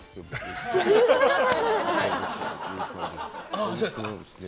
あそうですか。